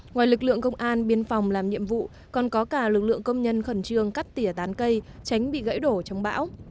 ngoài lực lượng công an biên phòng làm nhiệm vụ còn có cả lực lượng công nhân khẩn trương cắt tỉa tán cây tránh bị gãy đổ trong bão